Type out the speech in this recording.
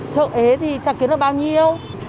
chợ ế thì chẳng kiếm được bao nhiêu